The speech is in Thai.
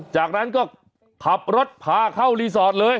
จากนั้นก็ขับรถพาเข้ารีสอร์ทเลย